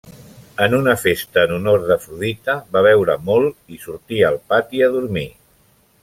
En una festa en honor d'Afrodita, va beure molt i sortí al pati a dormir.